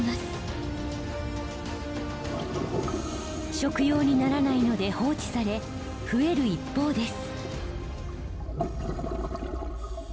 食用にならないので放置され増える一方です。